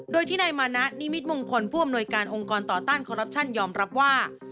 โดยที่นายมานะนิมิตมงคลผู้อำนวยการองค์กรต่อต้านคอรัปชั่นยอมรับว่า